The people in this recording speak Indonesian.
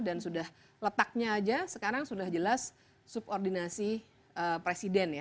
dan sudah letaknya aja sekarang sudah jelas subordinasi presiden ya